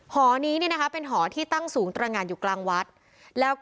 หอเป็นหอที่ตั้งสูงตระงัดอยู่กลางวัฒน์